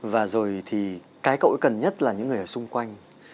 và rồi thì cái cậu cần nhất là những người ở xung quanh